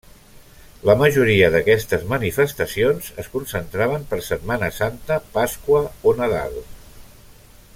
La majoria d'aquestes manifestacions es concentraven per Setmana Santa, Pasqua o Nadal.